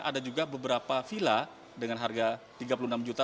ada juga beberapa villa dengan harga tiga puluh enam juta